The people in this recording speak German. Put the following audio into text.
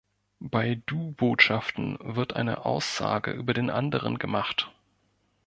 Bei Du-Botschaften wird eine Aussage über den anderen gemacht.